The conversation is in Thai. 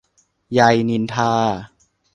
ไย นินทา.